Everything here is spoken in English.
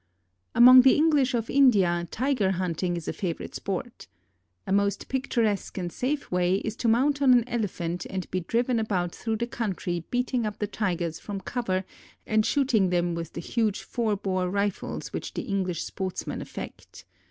Among the English of India Tiger hunting is a favorite sport. A most picturesque and safe way is to mount on an Elephant and be driven about through the country beating up the Tigers from cover and shooting them with the huge four bore rifles which the English sportsmen affect.